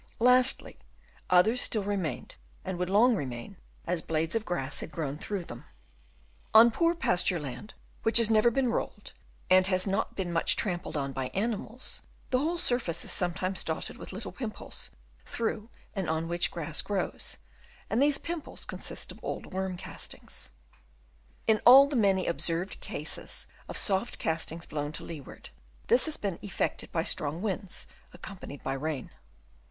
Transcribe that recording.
Lastly, others still remained and would long remain, as blades of grass had grown through them. On poor pasture land, which has never been rolled and has not been much trampled on by animals, the whole surface is sometimes dotted with little pimples, through and on which grass grows ; and these pimples con sist of old worm castings. In all the many observed cases of soft cast ings blown to leeward, this had been effected by strong winds accompanied by rain.